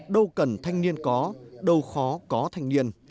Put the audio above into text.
đâu cần thanh niên có đâu khó có thanh niên